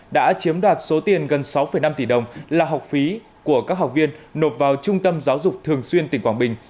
đã chiếm đoạt số tiền gần sáu năm tỷ đồng là học phí của các học viên nộp vào trung tâm giáo dục thường xuyên tỉnh quảng bình